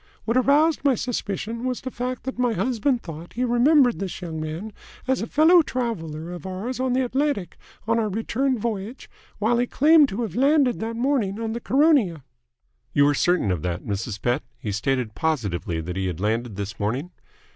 What aroused my suspicion was the fact that my husband thought that he remembered this young man as a fellow traveller of ours on the Atlantic, on our return voyage, while he claimed to have landed that morning on the Caronia." "You are certain of that, Mrs. Pett? He stated positively that he had landed this morning?"